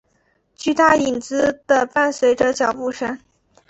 巨大影子的伴随着脚步声。